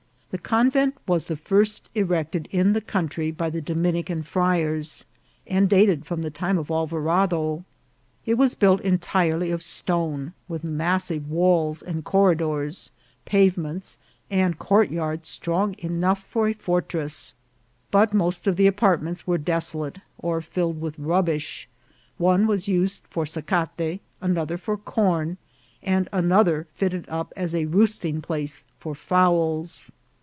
The convent was the first erected in the country by the Dominican friars, and dated from the time of Alvarado. It was built en tirely of stone, with massive walls, and corridors, pave ments, and courtyard strong enough for a fortress ; but most of the apartments were desolate or filled with rubbish ; one was used for sacate, another for corn, and another fitted up as a roosting place for fowls.